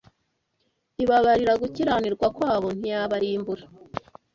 ibabarira gukiranirwa kwabo, ntiyabarimbura